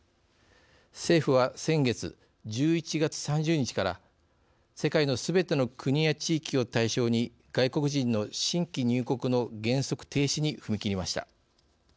政府は、先月、１１月３０日から世界のすべての国や地域を対象に外国人の新規入国の原則停止に踏み切りました。